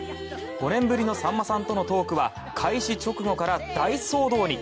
５年ぶりのさんまさんとのトークは開始直後から大騒動に！